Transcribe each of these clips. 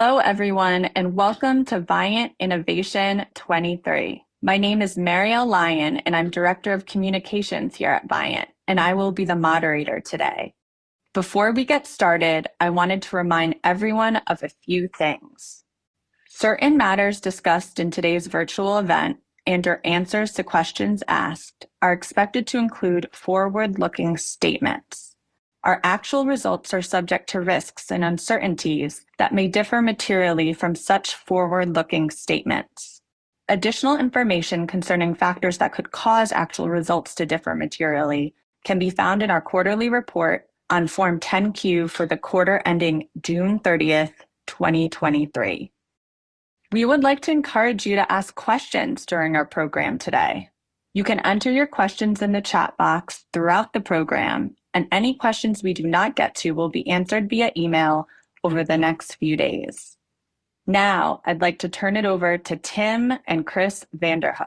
Hello, everyone, and welcome to Viant Innovation 2023. My name is Marielle Lyon, and I'm Director of Communications here at Viant, and I will be the moderator today. Before we get started, I wanted to remind everyone of a few things. Certain matters discussed in today's virtual event and/or answers to questions asked are expected to include forward-looking statements. Our actual results are subject to risks and uncertainties that may differ materially from such forward-looking statements. Additional information concerning factors that could cause actual results to differ materially can be found in our quarterly report on Form 10-Q for the quarter ending June 30th, 2023. We would like to encourage you to ask questions during our program today. You can enter your questions in the chat box throughout the program, and any questions we do not get to will be answered via email over the next few days. Now, I'd like to turn it over to Tim and Chris Vanderhook.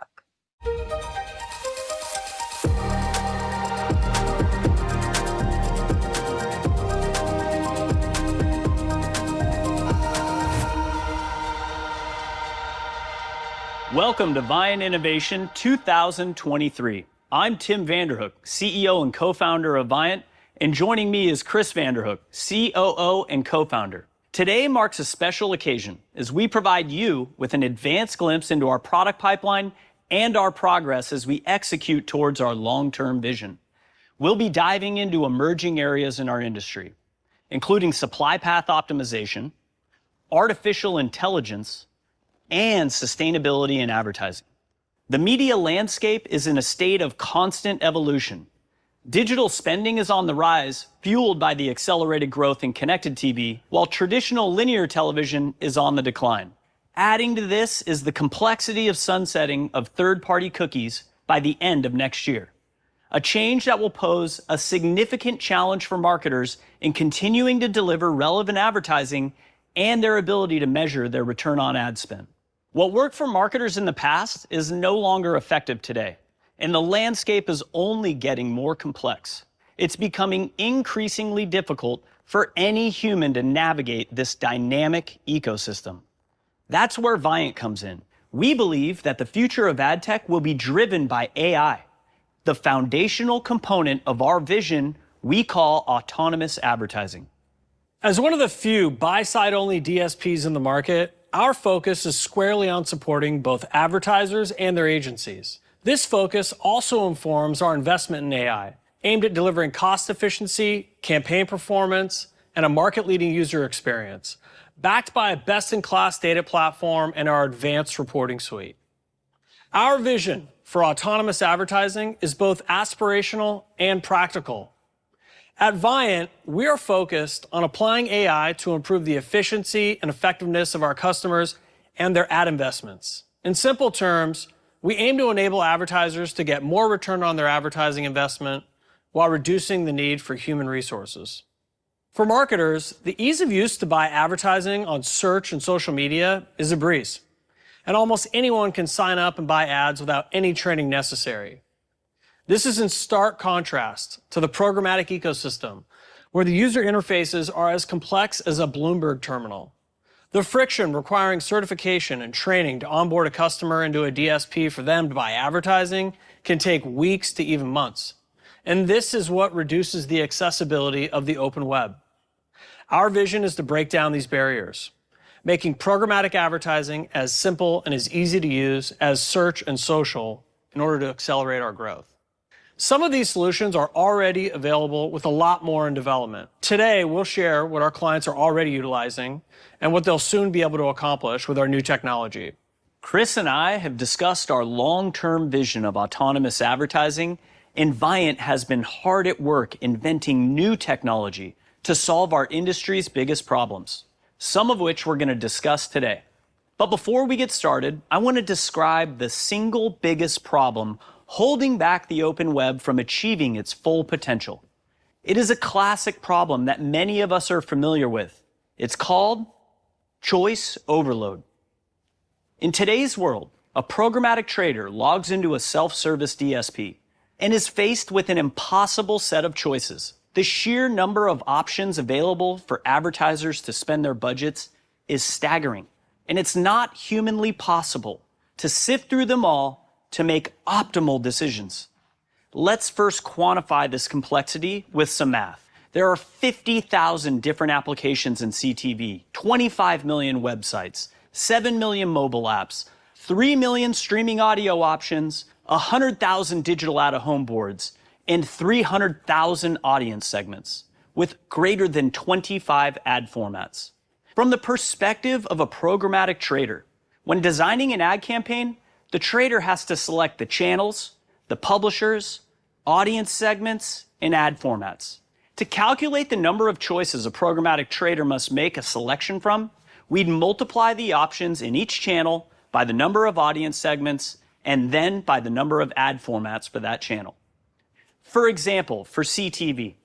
Welcome to Viant Innovation 2023. I'm Tim Vanderhook, CEO and Co-Founder of Viant, and joining me is Chris Vanderhook, COO and Co-Founder. Today marks a special occasion as we provide you with an advanced glimpse into our product pipeline and our progress as we execute towards our long-term vision. We'll be diving into emerging areas in our industry, including Supply Path Optimization, artificial intelligence, and sustainability in advertising. The media landscape is in a state of constant evolution. Digital spending is on the rise, fueled by the accelerated growth in Connected TV, while traditional linear television is on the decline. Adding to this is the complexity of sunsetting of third-party cookies by the end of next year, a change that will pose a significant challenge for marketers in continuing to deliver relevant advertising and their ability to measure their return on ad spend. What worked for marketers in the past is no longer effective today, and the landscape is only getting more complex. It's becoming increasingly difficult for any human to navigate this dynamic ecosystem. That's where Viant comes in. We believe that the future of ad tech will be driven by AI, the foundational component of our vision we call autonomous advertising. As one of the few buy-side-only DSPs in the market, our focus is squarely on supporting both advertisers and their agencies. This focus also informs our investment in AI, aimed at delivering cost efficiency, campaign performance, and a market-leading user experience, backed by a best-in-class data platform and our advanced reporting suite. Our vision for autonomous advertising is both aspirational and practical. At Viant, we are focused on applying AI to improve the efficiency and effectiveness of our customers and their ad investments. In simple terms, we aim to enable advertisers to get more return on their advertising investment while reducing the need for human resources. For marketers, the ease of use to buy advertising on search and social media is a breeze, and almost anyone can sign up and buy ads without any training necessary. This is in stark contrast to the programmatic ecosystem, where the user interfaces are as complex as a Bloomberg Terminal. The friction requiring certification and training to onboard a customer into a DSP for them to buy advertising can take weeks to even months, and this is what reduces the accessibility of the open web. Our vision is to break down these barriers, making programmatic advertising as simple and as easy to use as search and social in order to accelerate our growth. Some of these solutions are already available, with a lot more in development. Today, we'll share what our clients are already utilizing and what they'll soon be able to accomplish with our new technology. Chris and I have discussed our long-term vision of autonomous advertising, and Viant has been hard at work inventing new technology to solve our industry's biggest problems, some of which we're gonna discuss today. But before we get started, I want to describe the single biggest problem holding back the open web from achieving its full potential. It is a classic problem that many of us are familiar with. It's called choice overload. In today's world, a programmatic trader logs into a self-service DSP and is faced with an impossible set of choices. The sheer number of options available for advertisers to spend their budgets is staggering, and it's not humanly possible to sift through them all to make optimal decisions. Let's first quantify this complexity with some math. There are 50,000 different applications in CTV, 25 million websites, 7 million mobile apps, 3 million streaming audio options, 100,000 digital out-of-home boards, and 300,000 audience segments, with greater than 25 ad formats. From the perspective of a programmatic trader, when designing an ad campaign, the trader has to select the channels, the publishers, audience segments, and ad formats. To calculate the number of choices a programmatic trader must make a selection from, we'd multiply the options in each channel by the number of audience segments, and then by the number of ad formats for that channel. For example, for CTV,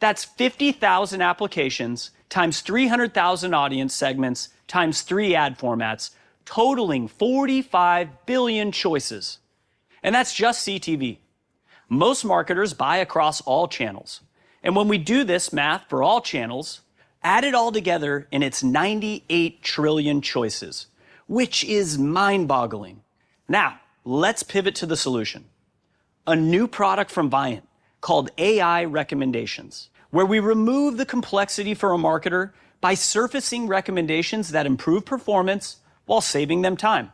that's 50,000 applications times 300,000 audience segments times 3 ad formats, totaling 45 billion choices... and that's just CTV. Most marketers buy across all channels, and when we do this math for all channels, add it all together, and it's 98 trillion choices, which is mind-boggling! Now, let's pivot to the solution: a new product from Viant called AI Recommendations, where we remove the complexity for a marketer by surfacing recommendations that improve performance while saving them time.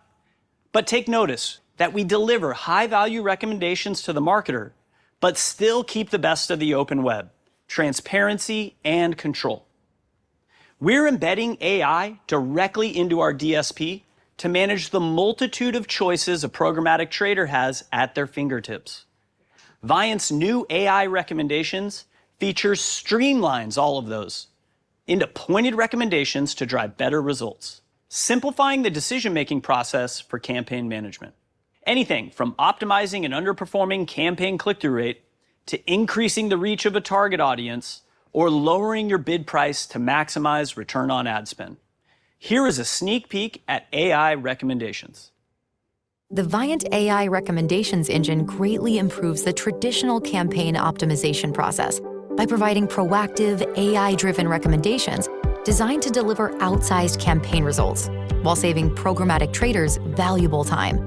But take notice that we deliver high-value recommendations to the marketer, but still keep the best of the open web, transparency and control. We're embedding AI directly into our DSP to manage the multitude of choices a programmatic trader has at their fingertips. Viant's new AI Recommendations features streamlines all of those into pointed recommendations to drive better results, simplifying the decision-making process for campaign management, anything from optimizing an underperforming campaign click-through rate to increasing the reach of a target audience or lowering your bid price to maximize return on ad spend. Here is a sneak peek at AI Recommendations. The Viant AI Recommendations engine greatly improves the traditional campaign optimization process by providing proactive, AI-driven recommendations designed to deliver outsized campaign results while saving programmatic traders valuable time.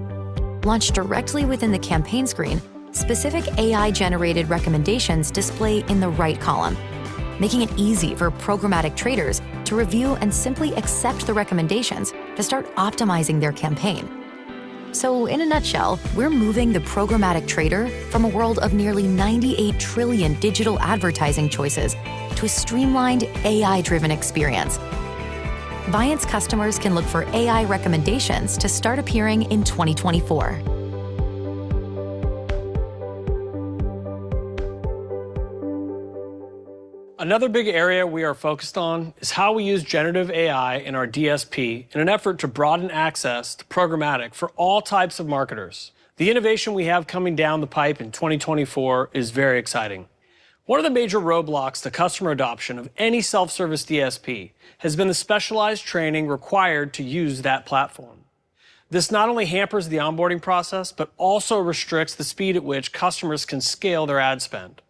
Launched directly within the campaign screen, specific AI-generated recommendations display in the right column, making it easy for programmatic traders to review and simply accept the recommendations to start optimizing their campaign. So in a nutshell, we're moving the programmatic trader from a world of nearly 98 trillion digital advertising choices to a streamlined, AI-driven experience. Viant's customers can look for AI Recommendations to start appearing in 2024. Another big area we are focused on is how we use generative AI in our DSP in an effort to broaden access to programmatic for all types of marketers. The innovation we have coming down the pipe in 2024 is very exciting. One of the major roadblocks to customer adoption of any self-service DSP has been the specialized training required to use that platform. This not only hampers the onboarding process but also restricts the speed at which customers can scale their ad spend.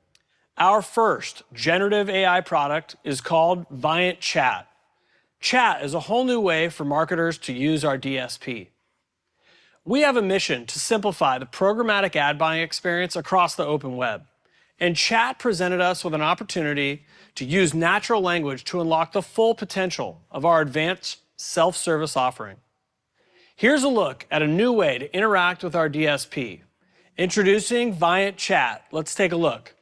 Our first generative AI product is called Viant Chat. Chat is a whole new way for marketers to use our DSP. We have a mission to simplify the programmatic ad buying experience across the open web, and Chat presented us with an opportunity to use natural language to unlock the full potential of our advanced self-service offering. Here's a look at a new way to interact with our DSP. Introducing Viant Chat. Let's take a look.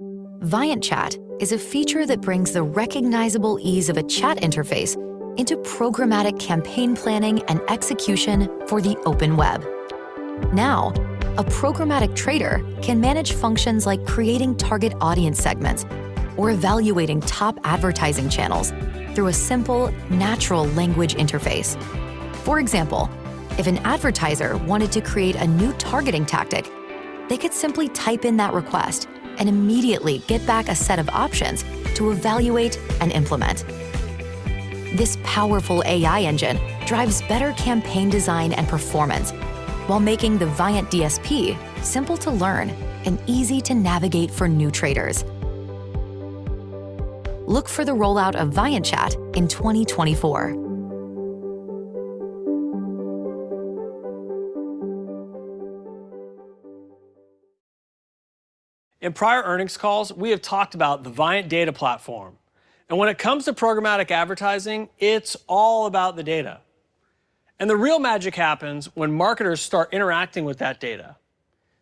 Viant Chat is a feature that brings the recognizable ease of a chat interface into programmatic campaign planning and execution for the open web. Now, a programmatic trader can manage functions like creating target audience segments or evaluating top advertising channels through a simple natural language interface. For example, if an advertiser wanted to create a new targeting tactic, they could simply type in that request and immediately get back a set of options to evaluate and implement. This powerful AI engine drives better campaign design and performance while making the Viant DSP simple to learn and easy to navigate for new traders. Look for the rollout of Viant Chat in 2024. In prior earnings calls, we have talked about the Viant Data Platform, and when it comes to programmatic advertising, it's all about the data. The real magic happens when marketers start interacting with that data.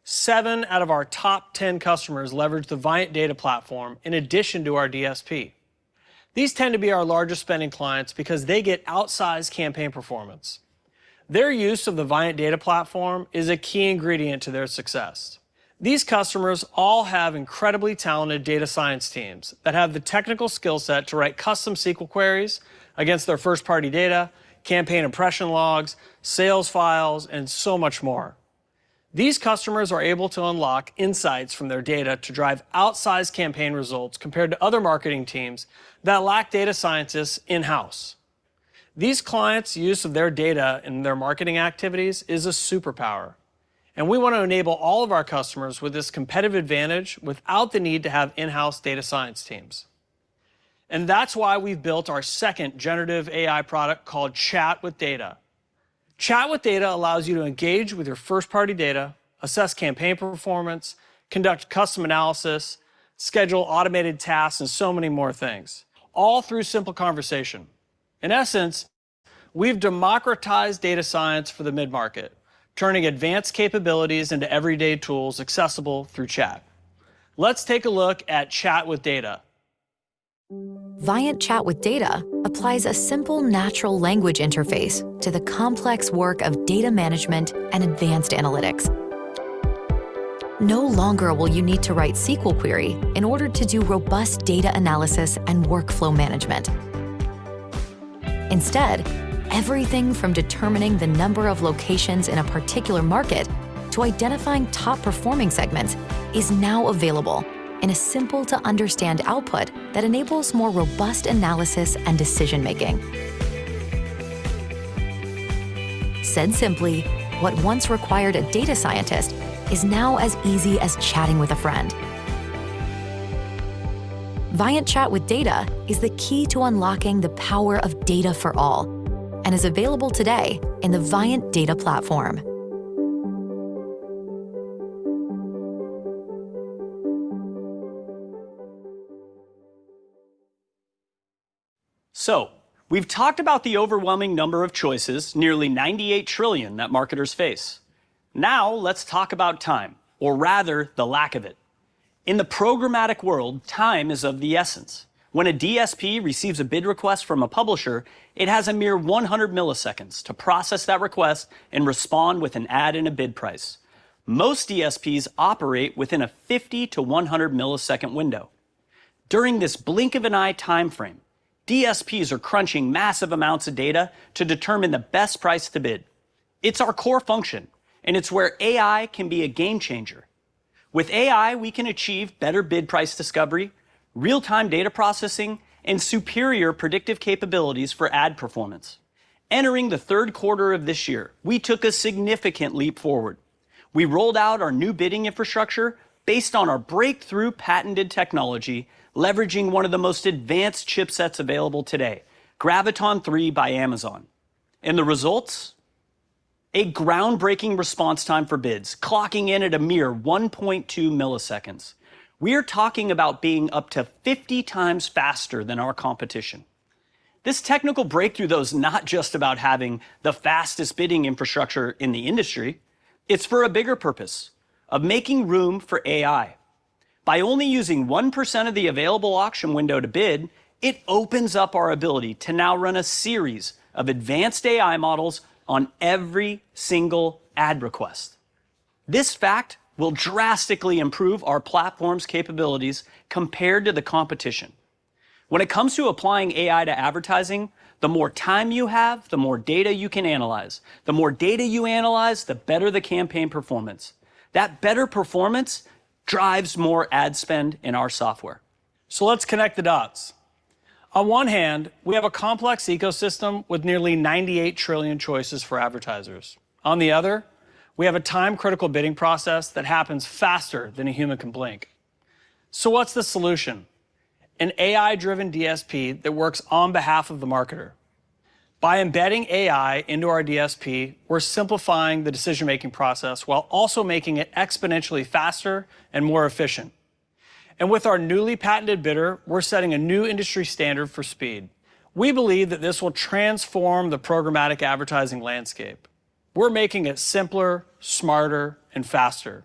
Seven out of our top 10 customers leverage the Viant Data Platform in addition to our DSP. These tend to be our largest-spending clients because they get outsized campaign performance. Their use of the Viant Data Platform is a key ingredient to their success. These customers all have incredibly talented data science teams that have the technical skill set to write custom SQL queries against their first-party data, campaign impression logs, sales files, and so much more. These customers are able to unlock insights from their data to drive outsized campaign results compared to other marketing teams that lack data scientists in-house. These clients' use of their data in their marketing activities is a superpower, and we want to enable all of our customers with this competitive advantage without the need to have in-house data science teams. And that's why we've built our second generative AI product called Chat with Data. Chat with Data allows you to engage with your first-party data, assess campaign performance, conduct custom analysis, schedule automated tasks, and so many more things, all through simple conversation. In essence, we've democratized data science for the mid-market, turning advanced capabilities into everyday tools accessible through chat. Let's take a look at Chat with Data. Viant Chat with Data applies a simple natural language interface to the complex work of data management and advanced analytics. No longer will you need to write SQL query in order to do robust data analysis and workflow management. Instead, everything from determining the number of locations in a particular market to identifying top-performing segments is now available in a simple-to-understand output that enables more robust analysis and decision making. Said simply, what once required a data scientist is now as easy as chatting with a friend. Viant Chat with Data is the key to unlocking the power of data for all and is available today in the Viant Data Platform. We've talked about the overwhelming number of choices, nearly 98 trillion, that marketers face. Now, let's talk about time, or rather, the lack of it. In the programmatic world, time is of the essence. When a DSP receives a bid request from a publisher, it has a mere 100 milliseconds to process that request and respond with an ad and a bid price. Most DSPs operate within a 50-100 millisecond window. During this blink-of-an-eye timeframe, DSPs are crunching massive amounts of data to determine the best price to bid. It's our core function, and it's where AI can be a game changer. With AI, we can achieve better bid price discovery, real-time data processing, and superior predictive capabilities for ad performance. Entering the third quarter of this year, we took a significant leap forward. We rolled out our new bidding infrastructure based on our breakthrough patented technology, leveraging one of the most advanced chipsets available today, Graviton3 by Amazon. And the results? A groundbreaking response time for bids, clocking in at a mere 1.2 milliseconds. We are talking about being up to 50x faster than our competition. This technical breakthrough, though, is not just about having the fastest bidding infrastructure in the industry, it's for a bigger purpose of making room for AI. By only using 1% of the available auction window to bid, it opens up our ability to now run a series of advanced AI models on every single ad request. This fact will drastically improve our platform's capabilities compared to the competition. When it comes to applying AI to advertising, the more time you have, the more data you can analyze. The more data you analyze, the better the campaign performance. That better performance drives more ad spend in our software. So let's connect the dots. On one hand, we have a complex ecosystem with nearly 98 trillion choices for advertisers. On the other, we have a time-critical bidding process that happens faster than a human can blink. So what's the solution? An AI-driven DSP that works on behalf of the marketer. By embedding AI into our DSP, we're simplifying the decision-making process while also making it exponentially faster and more efficient. And with our newly patented bidder, we're setting a new industry standard for speed. We believe that this will transform the programmatic advertising landscape. We're making it simpler, smarter, and faster.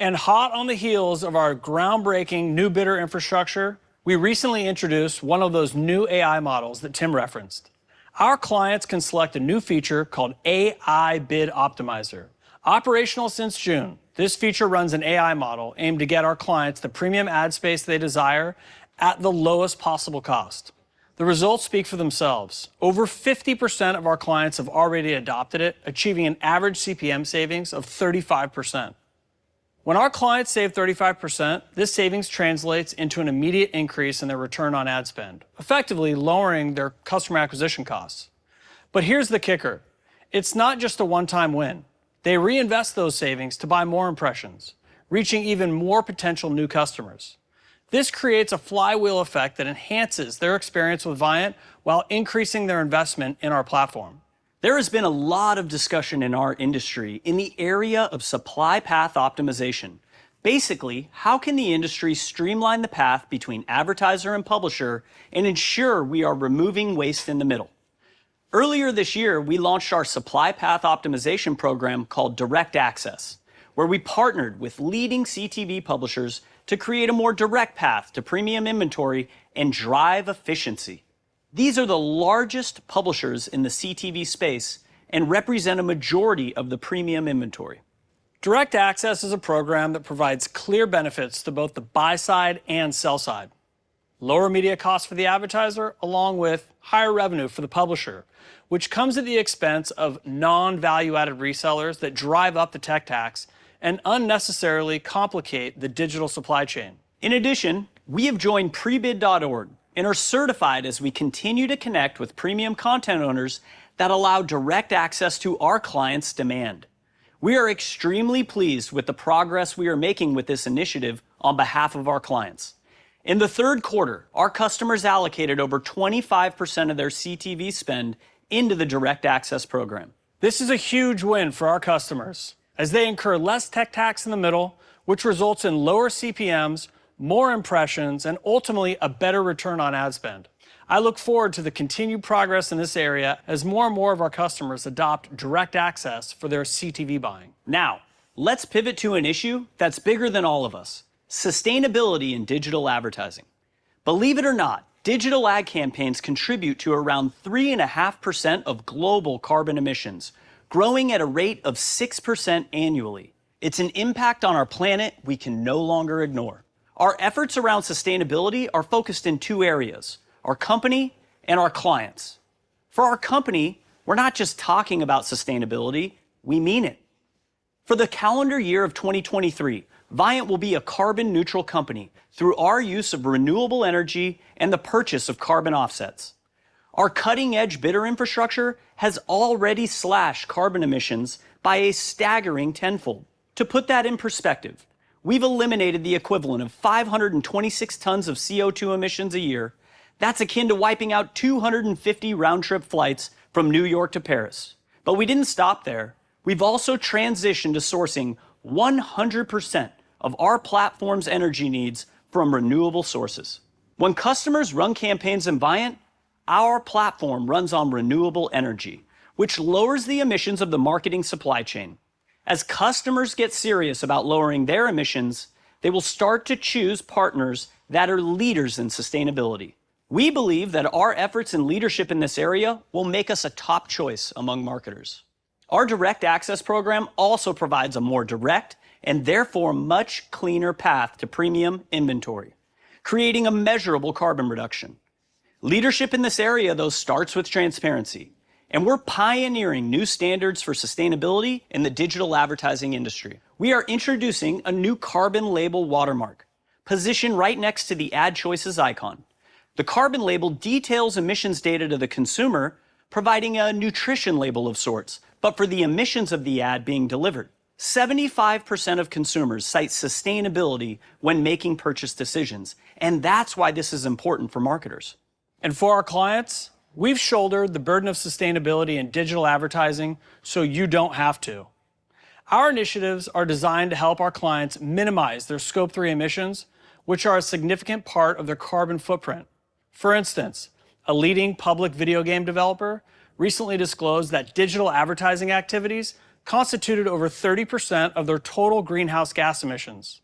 And hot on the heels of our groundbreaking new bidder infrastructure, we recently introduced one of those new AI models that Tim referenced. Our clients can select a new feature called AI Bid Optimizer. Operational since June, this feature runs an AI model aimed to get our clients the premium ad space they desire at the lowest possible cost. The results speak for themselves. Over 50% of our clients have already adopted it, achieving an average CPM savings of 35%. When our clients save 35%, this savings translates into an immediate increase in their return on ad spend, effectively lowering their customer acquisition costs. But here's the kicker: it's not just a one-time win. They reinvest those savings to buy more impressions, reaching even more potential new customers. This creates a flywheel effect that enhances their experience with Viant while increasing their investment in our platform. There has been a lot of discussion in our industry in the area of Supply Path Optimization. Basically, how can the industry streamline the path between advertiser and publisher and ensure we are removing waste in the middle? Earlier this year, we launched our Supply Path Optimization program called Direct Access, where we partnered with leading CTV publishers to create a more direct path to premium inventory and drive efficiency. These are the largest publishers in the CTV space and represent a majority of the premium inventory. Direct Access is a program that provides clear benefits to both the buy side and sell side: lower media costs for the advertiser, along with higher revenue for the publisher, which comes at the expense of non-value-added resellers that drive up the tech tax and unnecessarily complicate the digital supply chain. In addition, we have joined Prebid.org and are certified as we continue to connect with premium content owners that allow direct access to our clients' demand. We are extremely pleased with the progress we are making with this initiative on behalf of our clients. In the third quarter, our customers allocated over 25% of their CTV spend into the Direct Access program. This is a huge win for our customers as they incur less tech tax in the middle, which results in lower CPMs, more impressions, and ultimately a better return on ad spend. I look forward to the continued progress in this area as more and more of our customers adopt Direct Access for their CTV buying. Now, let's pivot to an issue that's bigger than all of us: sustainability in digital advertising. Believe it or not, digital ad campaigns contribute to around 3.5% of global carbon emissions, growing at a rate of 6% annually. It's an impact on our planet we can no longer ignore. Our efforts around sustainability are focused in two areas: our company and our clients. For our company, we're not just talking about sustainability, we mean it. For the calendar year of 2023, Viant will be a carbon neutral company through our use of renewable energy and the purchase of carbon offsets. Our cutting-edge bidder infrastructure has already slashed carbon emissions by a staggering tenfold. To put that in perspective, we've eliminated the equivalent of 526 tons of CO2 emissions a year. That's akin to wiping out 250 round-trip flights from New York to Paris. But we didn't stop there. We've also transitioned to sourcing 100% of our platform's energy needs from renewable sources. When customers run campaigns in Viant, our platform runs on renewable energy, which lowers the emissions of the marketing supply chain. As customers get serious about lowering their emissions, they will start to choose partners that are leaders in sustainability. We believe that our efforts and leadership in this area will make us a top choice among marketers. Our Direct Access program also provides a more direct, and therefore much cleaner, path to premium inventory, creating a measurable carbon reduction. Leadership in this area, though, starts with transparency, and we're pioneering new standards for sustainability in the digital advertising industry. We are introducing a new Carbon Label watermark, positioned right next to the AdChoices icon. The Carbon Label details emissions data to the consumer, providing a nutrition label of sorts, but for the emissions of the ad being delivered. 75% of consumers cite sustainability when making purchase decisions, and that's why this is important for marketers. For our clients, we've shouldered the burden of sustainability in digital advertising, so you don't have to. Our initiatives are designed to help our clients minimize their Scope 3 emissions, which are a significant part of their carbon footprint. For instance, a leading public video game developer recently disclosed that digital advertising activities constituted over 30% of their total greenhouse gas emissions.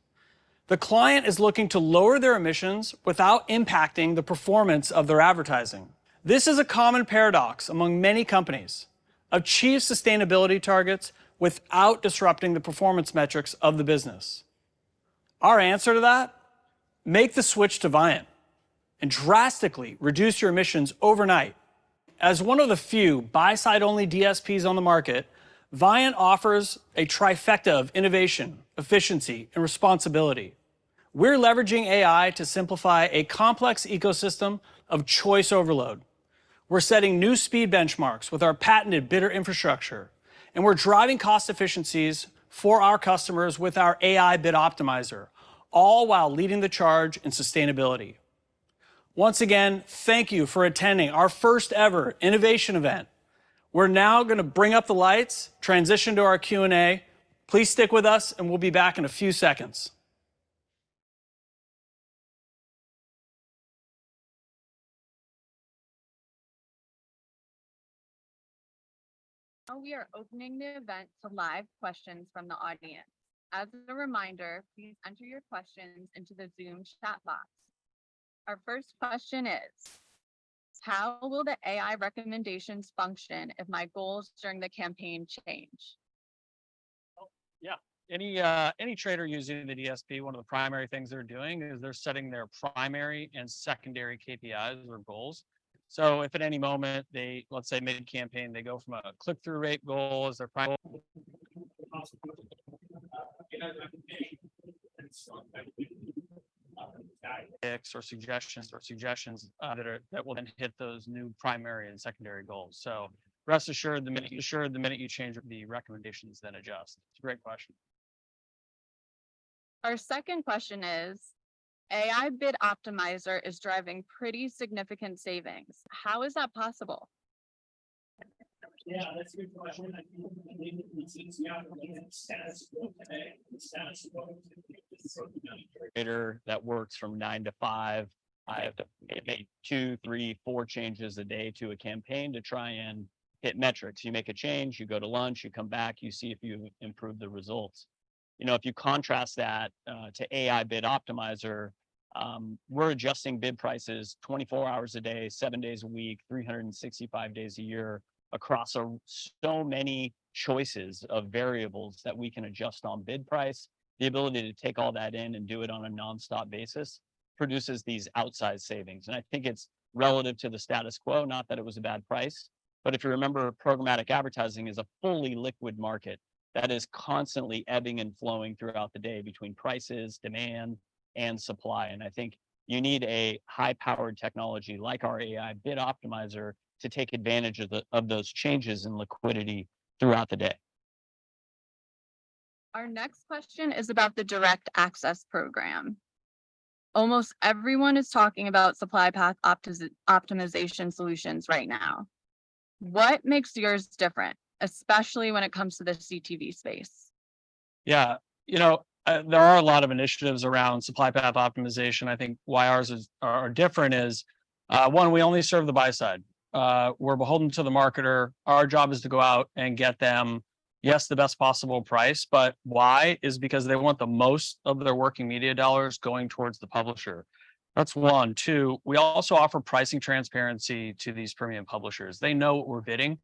The client is looking to lower their emissions without impacting the performance of their advertising. This is a common paradox among many companies: achieve sustainability targets without disrupting the performance metrics of the business. Our answer to that, make the switch to Viant and drastically reduce your emissions overnight. As one of the few buy-side-only DSPs on the market, Viant offers a trifecta of innovation, efficiency, and responsibility. We're leveraging AI to simplify a complex ecosystem of choice overload. We're setting new speed benchmarks with our patented bidder infrastructure, and we're driving cost efficiencies for our customers with our AI Bid Optimizer, all while leading the charge in sustainability. Once again, thank you for attending our first-ever innovation event. We're now gonna bring up the lights, transition to our Q&A. Please stick with us, and we'll be back in a few seconds. Now we are opening the event to live questions from the audience. As a reminder, please enter your questions into the Zoom chat box. Our first question is: How will the AI recommendations function if my goals during the campaign change? Well, yeah, any, any trader using the DSP, one of the primary things they're doing is they're setting their primary and secondary KPIs or goals. If at any moment they, let's say, made a campaign, they go from a click-through rate goal as their primary... or suggestions, or suggestions, that are, that will then hit those new primary and secondary goals. Rest assured, the minute you change, the recommendations then adjust. It's a great question. Our second question is: AI Bid Optimizer is driving pretty significant savings. How is that possible? Yeah, that's a good question. That works from 9:00 A.M.-5:00 P.M. I have to make two, three, four changes a day to a campaign to try and hit metrics. You make a change, you go to lunch, you come back, you see if you've improved the results. You know, if you contrast that to AI Bid Optimizer, we're adjusting bid prices 24 hours a day, seven days a week, 365 days a year, across so many choices of variables that we can adjust on bid price. The ability to take all that in and do it on a nonstop basis produces these outsized savings, and I think it's relative to the status quo, not that it was a bad price. If you remember, programmatic advertising is a fully liquid market that is constantly ebbing and flowing throughout the day between prices, demand, and supply, and I think you need a high-powered technology like our AI Bid Optimizer to take advantage of those changes in liquidity throughout the day. Our next question is about the Direct Access program. Almost everyone is talking about Supply Path Optimization solutions right now. What makes yours different, especially when it comes to the CTV space? Yeah, you know, there are a lot of initiatives around Supply Path Optimization. I think why ours is different is, one, we only serve the buy side. We're beholden to the marketer. Our job is to go out and get them, yes, the best possible price, but why is because they want the most of their working media dollars going towards the publisher. That's one. Two, we also offer pricing transparency to these premium publishers. They know what we're bidding,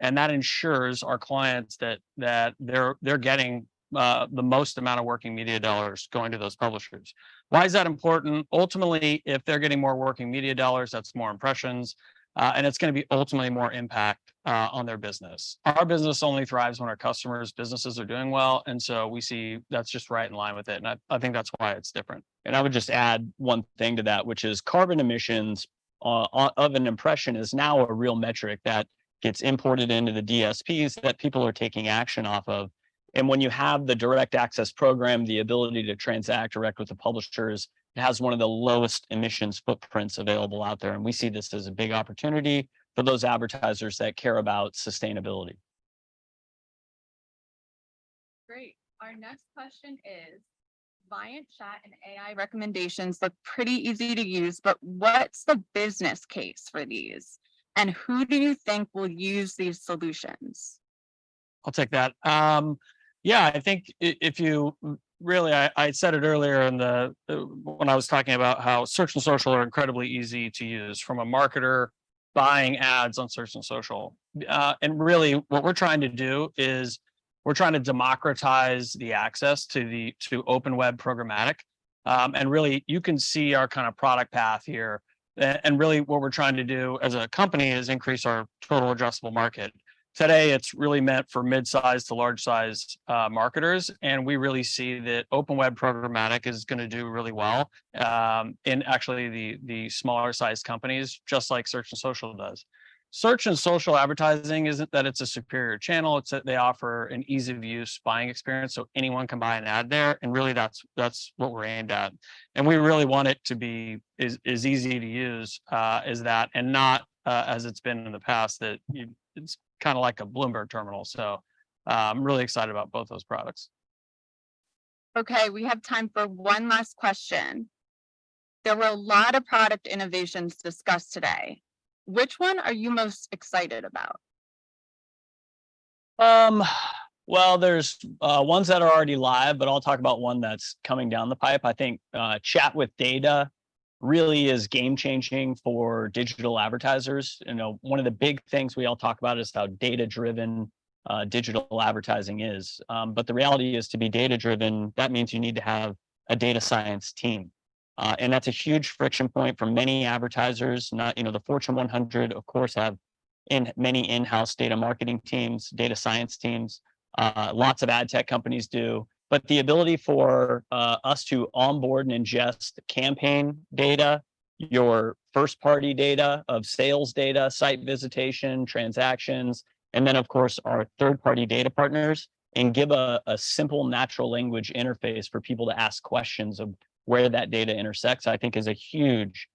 and that ensures our clients that they're getting the most amount of working media dollars going to those publishers. Why is that important? Ultimately, if they're getting more working media dollars, that's more impressions, and it's gonna be ultimately more impact on their business. Our business only thrives when our customers' businesses are doing well, and so we see that's just right in line with it, and I, I think that's why it's different. I would just add one thing to that, which is carbon emissions of an impression is now a real metric that gets imported into the DSPs that people are taking action off of. When you have the Direct Access program, the ability to transact direct with the publishers, it has one of the lowest emissions footprints available out there, and we see this as a big opportunity for those advertisers that care about sustainability. Great. Our next question is, Viant Chat and AI Recommendations look pretty easy to use, but what's the business case for these, and who do you think will use these solutions? I'll take that. Yeah, I think if you... Really, I said it earlier in the when I was talking about how search and social are incredibly easy to use from a marketer buying ads on search and social. And really, what we're trying to do is we're trying to democratize the access to the open web programmatic. And really, you can see our kinda product path here. And really, what we're trying to do as a company is increase our total addressable market. Today, it's really meant for mid-sized to large-sized marketers, and we really see that open web programmatic is gonna do really well in actually the the smaller-sized companies, just like search and social does. Search and social advertising isn't that it's a superior channel, it's that they offer an easy-to-use buying experience, so anyone can buy an ad there, and really that's what we're aimed at. And we really want it to be as easy to use as that, and not as it's been in the past, it's kinda like a Bloomberg terminal. So, I'm really excited about both those products. Okay, we have time for one last question. There were a lot of product innovations discussed today. Which one are you most excited about? Well, there's ones that are already live, but I'll talk about one that's coming down the pipe. I think, Chat with Data really is game-changing for digital advertisers. You know, one of the big things we all talk about is how data-driven, digital advertising is. But the reality is to be data-driven, that means you need to have a data science team. And that's a huge friction point for many advertisers, not... You know, the Fortune 100, of course, have many in-house data marketing teams, data science teams, lots of ad tech companies do. But the ability for us to onboard and ingest campaign data, your first-party data of sales data, site visitation, transactions, and then, of course, our third-party data partners, and give a simple natural language interface for people to ask questions of where that data intersects, I think is a huge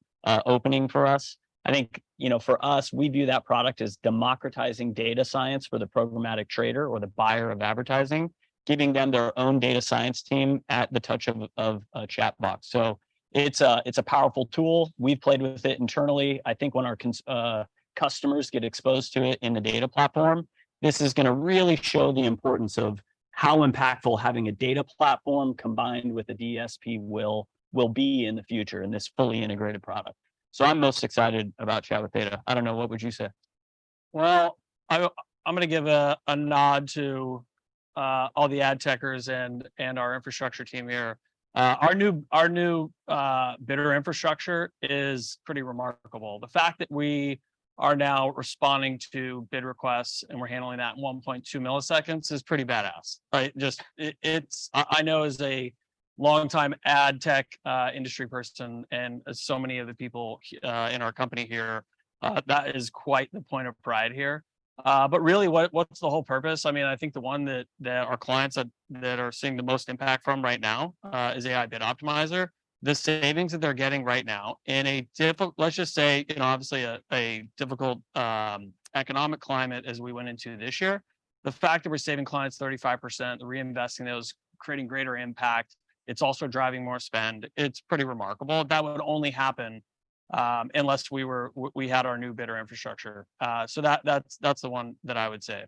opening for us. I think, you know, for us, we view that product as democratizing data science for the programmatic trader or the buyer of advertising, giving them their own data science team at the touch of a chat box. So it's a powerful tool. We've played with it internally. I think when our customers get exposed to it in the data platform, this is gonna really show the importance of how impactful having a data platform combined with a DSP will be in the future in this fully integrated product. I'm most excited about Chat with Data. I don't know, what would you say? Well, I'm gonna give a nod to all the ad techers and our infrastructure team here. Our new, our new bidder infrastructure is pretty remarkable. The fact that we are now responding to bid requests, and we're handling that in 1.2 milliseconds, is pretty badass, right? Just—it's—I know as a long-time ad tech industry person, and as so many of the people in our company here, that is quite the point of pride here. Really, what's the whole purpose? I mean, I think the one that our clients are... that are seeing the most impact from right now is AI Bid Optimizer. The savings that they're getting right now, in a diffu- let's just say, in obviously a, a difficult, economic climate as we went into this year, the fact that we're saving clients 35%, reinvesting those, creating greater impact, it's also driving more spend, it's pretty remarkable. That would only happen, unless we were- w- we had our new bidder infrastructure. That's, that's the one that I would say.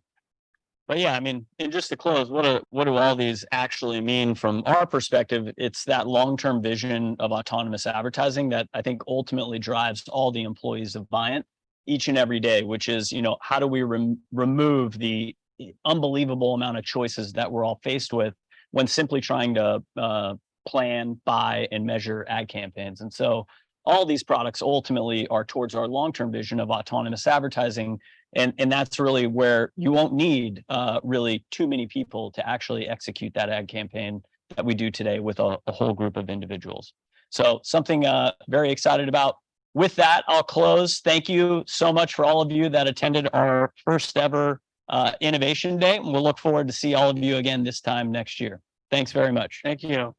Yeah, I mean, and just to close, what do, what do all these actually mean from our perspective? It's that long-term vision of autonomous advertising that I think ultimately drives all the employees of Viant each and every day, which is, you know, how do we rem- remove the unbelievable amount of choices that we're all faced with when simply trying to, plan, buy, and measure ad campaigns? And so all these products ultimately are towards our long-term vision of autonomous advertising, and that's really where you won't need really too many people to actually execute that ad campaign that we do today with a whole group of individuals. So something very excited about. With that, I'll close. Thank you so much for all of you that attended our first-ever Innovation Day. We'll look forward to see all of you again this time next year. Thanks very much. Thank you.